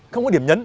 không có điểm nhấn